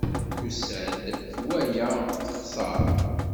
Tusa-d, twala, texṣer.